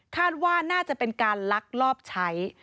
คาดว่าน่าจะเป็นการลักลอบใช้